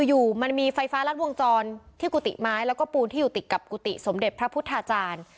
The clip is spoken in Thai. อยู่มันมีไฟฟ้ารัดวงจรที่กุฏิไม้แล้วก็ปูนที่อยู่ติดกับกุฏิสมเด็จพระพุทธาจารย์